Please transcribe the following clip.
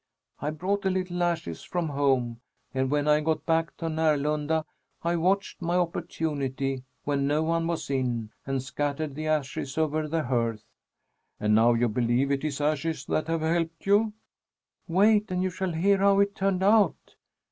I brought a little ashes from home, and when I got back to Närlunda I watched my opportunity, when no one was in, and scattered the ashes over the hearth." "And now you believe it is ashes that have helped you?" "Wait, and you shall hear how it turned out!